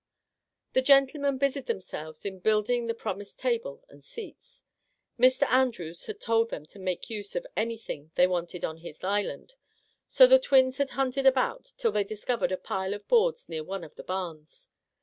The gentlemen busied themselves in building the promised table and seats. Mr. Andrews had told them to make use of any thing they wanted on his island, so the twins had hunted about till they discovered a pile of boards near one of the barns.